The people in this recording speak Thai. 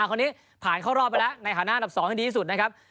คนนี้ผ่านเข้ารอบไปแล้วในฐานะอันดับ๒ที่ดีที่สุดนะครับ